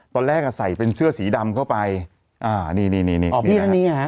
ตอนแรกอะใส่เป็นเสื้อสีดำเข้าไปอ่านี่นี่นี่นี่อ๋อพี่นี่ค่ะ